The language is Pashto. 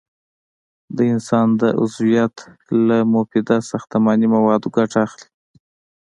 د انسان د عضویت له مفیده ساختماني موادو ګټه اخلي.